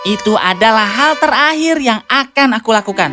itu adalah hal terakhir yang akan aku lakukan